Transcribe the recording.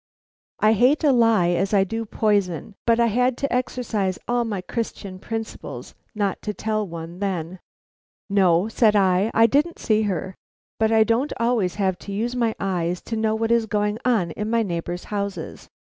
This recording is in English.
I hate a lie as I do poison, but I had to exercise all my Christian principles not to tell one then. "No," said I, "I didn't see her, but I don't always have to use my eyes to know what is going on in my neighbor's houses."